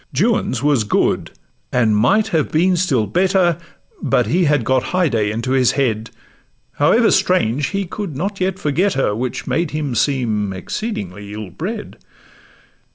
Juan's was good; and might have been still better, But he had got Haidee into his head: However strange, he could not yet forget her, Which made him seem exceedingly ill bred.